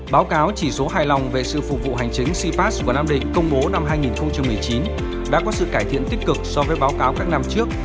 báo cáo chỉ số hài lòng về sự phục vụ hành chính cpas của nam định công bố năm hai nghìn một mươi chín đã có sự cải thiện tích cực so với báo cáo các năm trước